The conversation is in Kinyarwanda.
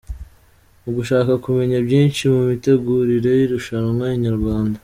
Mu gushaka kumenya byinshi mu mitegurire y’irushanwa, Inyarwanda.